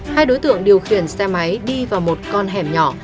hai đối tượng điều khiển xe máy đi vào một con hẻm nhỏ